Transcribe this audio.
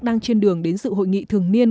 đang trên đường đến sự hội nghị thường niên